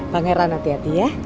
pangeran hati hati ya